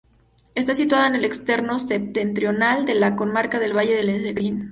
Está situada en el extremo septentrional de la comarca del Valle de Lecrín.